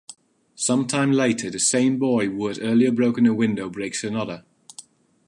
Some time later, the same boy who had earlier broken a window breaks another.